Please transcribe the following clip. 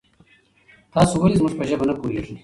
تاسو ولې زمونږ په ژبه نه پوهیږي؟